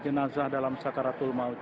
jenazah dalam syakaratul maut